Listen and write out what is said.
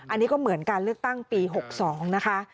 อันนี้ก็เหมือนการเลือกตั้งปี๖๒นะคะ